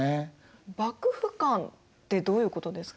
幕府観ってどういうことですか？